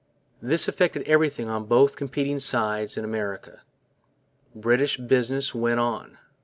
This affected everything on both competing sides in America. British business went on.